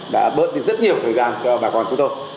đã bớt đi rất nhiều thời gian cho bà con chúng tôi